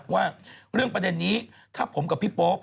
ว่าเรื่องประเด็นนี้ถ้าผมกับพี่โป๊ป